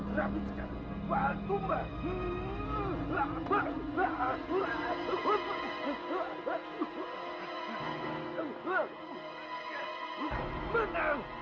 dia bukan janggrek